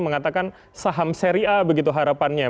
mengatakan saham seri a begitu harapannya